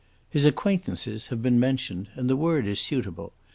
His "acquaintances" have been mentioned, and the word is suitable.